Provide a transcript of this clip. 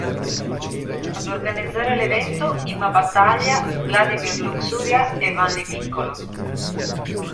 Ad organizzare l'evento Imma Battaglia, Vladimir Luxuria e Vanni Piccolo.